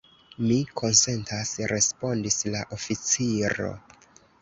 Mi konsentas, respondis la oficiro.